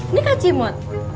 ini kak cimot